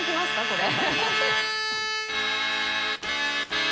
これ。